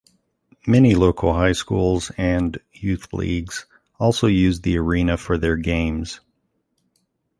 Many local high schools and youth leagues also use the arena for their games.